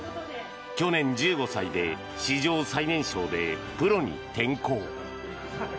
去年、１５歳で史上最年少でプロに転向。